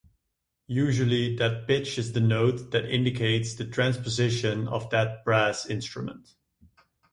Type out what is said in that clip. Usually, that pitch is the note that indicates the transposition of that brass instrument.